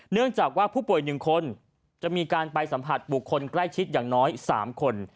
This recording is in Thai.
เนื่องจากว่าผู้ป่วย๑คนจะมีการไปสัมผัสบุคคลใกล้ชิดอย่างน้อย๓คน